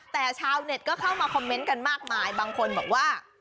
แต่ชาวเน็ตก็เข้ามาคอมเมนต์กันมากมายบางคนบอกว่า